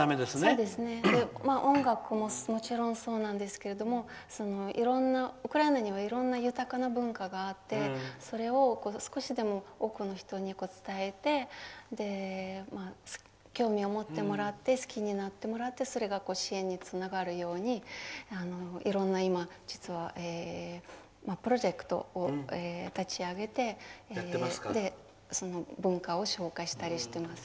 そうですね、音楽ももちろんそうなんですけれどもウクライナにはいろんな豊かな文化があってそれを少しでも多くの人に伝えて、興味を持ってもらって好きになってもらってそれが支援につながるように今、実はいろんなプロジェクトを立ち上げて文化を紹介したりしています。